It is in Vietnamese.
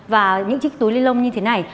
và những chiếc túi đi lông như thế này